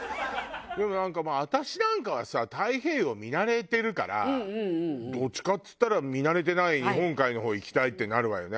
でもなんか私なんかはさ太平洋見慣れてるからどっちかっつったら見慣れてない日本海の方行きたいってなるわよね。